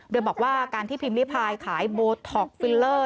โดยบอกว่าการที่พิมพิพายขายโบท็อกฟิลเลอร์